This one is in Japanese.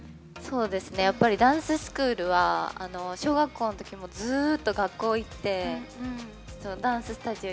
やっぱりダンススクールは小学校のときもずっと学校行ってダンススタジオ